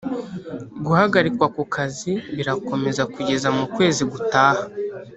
guhagarikwa ku kazi birakomeza kugeza mu kwezi gutaha